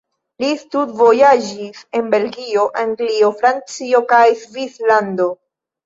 Li studvojaĝis en Belgio, Anglio, Francio kaj Svislando.